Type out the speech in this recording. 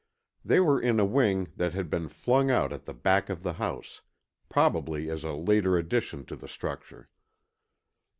They were in a wing that had been flung out at the back of the house, probably as a later addition to the structure.